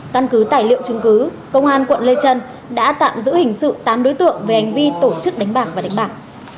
căn cứ tài liệu chứng cứ công an quận lê trân đã tạm giữ hình sự tám đối tượng về hành vi tổ chức đánh bạc và đánh bạc